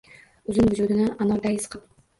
Uzin vujudini anordai siqib